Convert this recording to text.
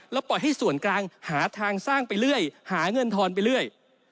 แล้วปล่อยให้ส่วนกลางหาทางสร้างไปเรื่อยหาเงินทอนไปเรื่อย